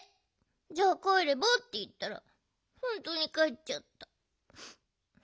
「じゃあかえれば？」っていったらほんとにかえっちゃった。